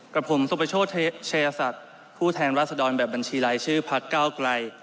กับผมสมประโชษเชียรศัตริย์ผู้แทนราศดรแบบบัญชีไร้ชื่อพัฒน์เก้าไกล